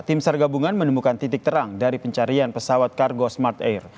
tim sar gabungan menemukan titik terang dari pencarian pesawat kargo smart air